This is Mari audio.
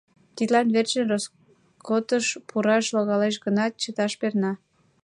Тидлан верчын роскотыш пураш логалеш гынат, чыташ перна.